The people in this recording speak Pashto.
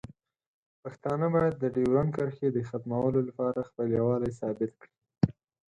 پښتانه باید د ډیورنډ کرښې د ختمولو لپاره خپل یووالی ثابت کړي.